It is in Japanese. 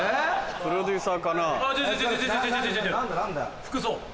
プロデューサー。